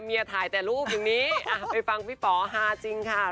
ถ่ายแต่รูปอย่างนี้ไปฟังพี่ป๋อฮาจริงค่ะ